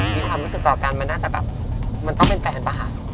มีความรู้สึกต่อกันมันน่าจะแบบมันต้องเป็นแฟนป่ะคะ